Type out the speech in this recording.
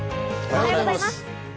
おはようございます。